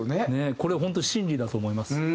これホント真理だと思います。